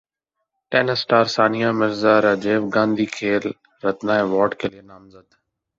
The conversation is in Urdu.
ٹینس اسٹار ثانیہ مرزا راجیو گاندھی کھیل رتنا ایوارڈکیلئے نامزد